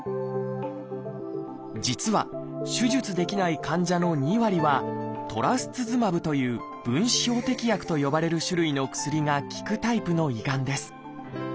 実は手術できない患者の２割は「トラスツズマブ」という「分子標的薬」と呼ばれる種類の薬が効くタイプの胃がんです。